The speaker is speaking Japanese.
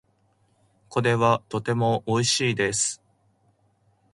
これはとても美味しいです。